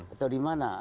atau di mana